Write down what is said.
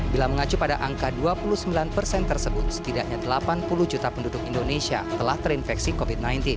bila mengacu pada angka dua puluh sembilan persen tersebut setidaknya delapan puluh juta penduduk indonesia telah terinfeksi covid sembilan belas